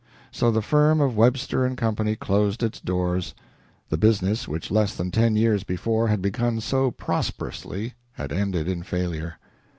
So the firm of Webster & Co. closed its doors. The business which less than ten years before had begun so prosperously had ended in failure.